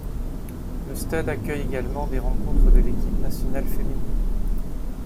Le stade accueille également des rencontres de l'équipe nationale féminine.